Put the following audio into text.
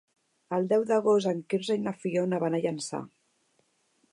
El deu d'agost en Quirze i na Fiona van a Llançà.